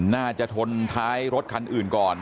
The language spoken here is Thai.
น่าจะชนท้ายรถคันอื่นก่อน